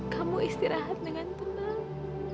kamu istirahat dengan tenang